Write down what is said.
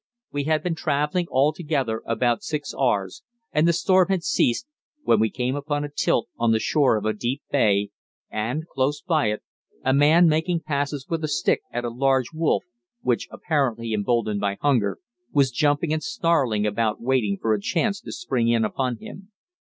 We had been travelling altogether about six hours, and the storm had ceased, when we came upon a tilt on the shore of a deep bay, and, close by it, a man making passes with a stick at a large wolf, which, apparently emboldened by hunger, was jumping and snarling about waiting for a chance to spring in upon him.